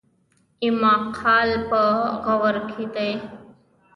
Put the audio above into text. ایماقان په غور کې دي؟